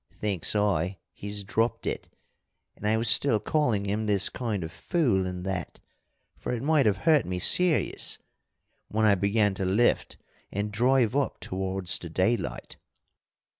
Thinks I, he's dropped it, and I was still calling him this kind of fool and that for it might have hurt me serious when I began to lift and drive up towards the daylight.